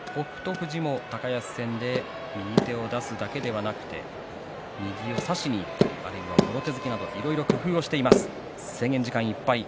富士も高安戦で右手を出すだけでなく右を差しにいったりあるいは、もろ手突きなどいろいろ工夫しています。